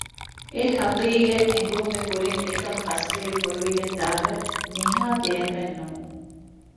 އެ ހަޤީޤަތް އެނގުމުގެ ކުރިން އެކަން ފަސްލެވި ފޮރުވިގެން ދާކަށް ނިހާ ބޭނުމެއް ނޫން